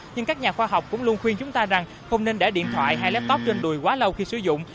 nhưng các nhà khoa học cũng luôn khuyên chúng ta rằng không nên để điện thoại hay laptop trên đùi quá lâu khi sử dụng